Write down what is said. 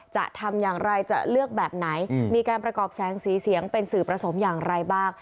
จะทำอย่างไรจะเลือกแบบไหนมีการประกอบแสงสีเสียงเป็นสื่อผสมอย่างไรบ้าง